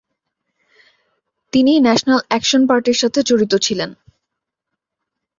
তিনি National Action পার্টির সাথে জড়িত ছিলেন।